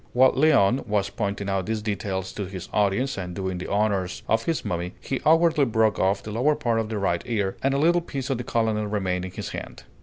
While Léon was pointing out these details to his audience and doing the honors of his mummy, he awkwardly broke off the lower part of the right ear, and a little piece of the colonel remained in his hand.